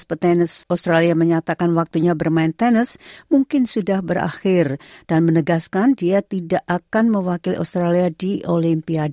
berita terkini mengenai penyelidikan covid sembilan belas di indonesia